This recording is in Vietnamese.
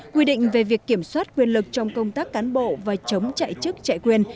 quy định về việc kiểm soát quyền lực trong công tác cán bộ và chống chạy chức chạy quyền